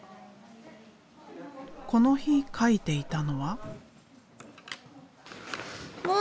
この日描いていたのは。